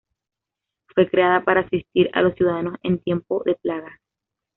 Fue creada para asistir a los ciudadanos en tiempos de plaga.